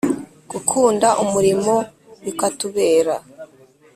gukunda umurimo bikatubera